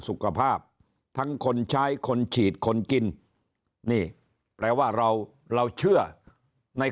สุขภาพทั้งคนใช้คนฉีดคนกินนี่แปลว่าเราเราเชื่อใน